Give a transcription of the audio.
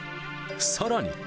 さらに。